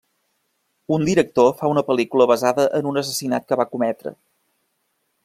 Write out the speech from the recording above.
Un director fa una pel·lícula basada en un assassinat que va cometre.